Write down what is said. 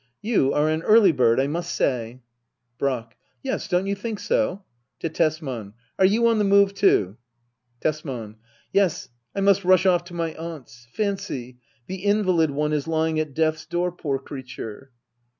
'] You are an early bird^ I must say. Brack. Yes, don't you think so .^ [7b Tesman.] Are you on the move, too } Tesman. Yes, I must rush off to my aunts'. Fancy — the invalid one is lying at death's door, poor creature.